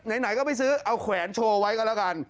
อ่ะไหนก็ไม่ซื้อเอาแขวนโชว์ไว้ก่อนละกัน